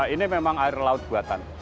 ini memang air laut buatan